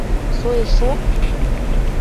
— Соэшок?